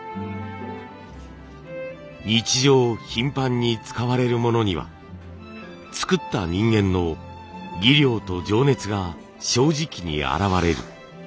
日常頻繁に使われるものには作った人間の技量と情熱が正直にあらわれる。